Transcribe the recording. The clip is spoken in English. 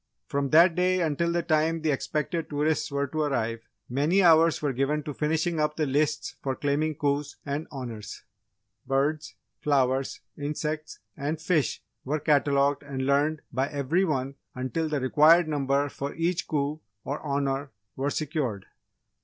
From that day until the time the expected tourists were to arrive, many hours were given to finishing up the lists for claiming coups and Honours. Birds, flowers, insects and fish were catalogued and learned by every one until the required number for each coup or honour were secured.